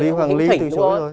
lý hoàng lý từ chối rồi